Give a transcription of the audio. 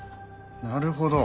なるほど。